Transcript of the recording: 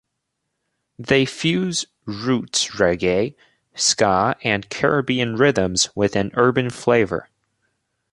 They fuse roots reggae, ska and Caribbean rhythms with an urban flavour.